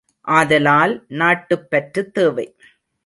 ஆதலால் நாட்டுப்பற்று தேவை.